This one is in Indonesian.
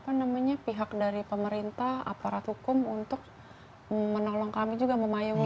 kami memerlukan pihak dari pemerintah aparat hukum untuk menolong kami juga memayangi